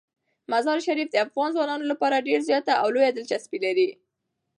مزارشریف د افغان ځوانانو لپاره ډیره زیاته او لویه دلچسپي لري.